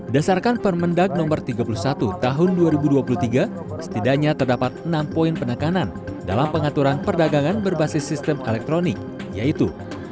dasarkan permendag no tiga puluh satu tahun dua ribu dua puluh tiga setidaknya terdapat enam poin penekanan dalam pengaturan perdagangan berbasis sistem elektronik yaitu